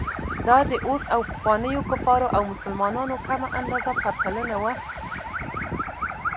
دا د اوس او پخوانیو کفارو او مسلمانانو کمه اندازه پرتلنه وه.